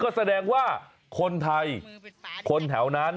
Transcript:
ก็แสดงว่าคนไทยคนแถวนั้น